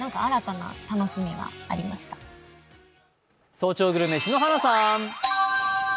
「早朝グルメ」、篠原さん！